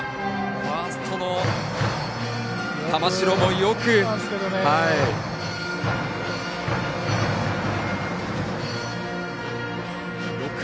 ファーストの玉城もよく。